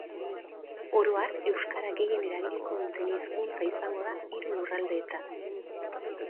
Oro har, euskara gehien erabiliko duten hizkuntza izango da hiru lurraldeetan.